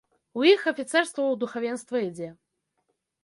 У іх афіцэрства ў духавенства ідзе.